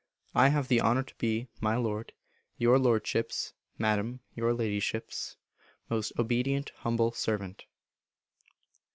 I have the honour to be, my Lord, Your Lordship's (Madam, Your Ladyship's) most obedient humble servant.